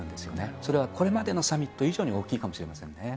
それはこれまでのサミット以上に大きいかもしれませんよね。